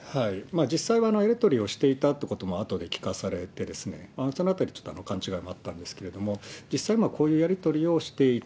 実際はやり取りもしていたということもあとで聞かされてですね、そのあたりちょっと勘違いもあったんですけれども、実際こういうやり取りをしていた、